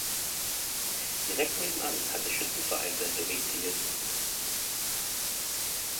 Direkt nebenan hat der Schützenverein sein Domizil.